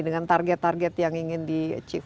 dengan target target yang ingin di achieve